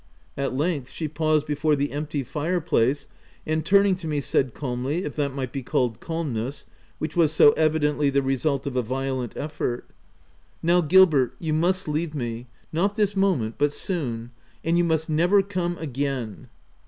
At length she paused before the empty fire place, and turning to me, said calmly — if that might be called calmness, which was so evidently the result of a violent effort — 140 THE TENANT t€ Now Gilbert, you must leave me — not this moment, but soon — and you must never come again."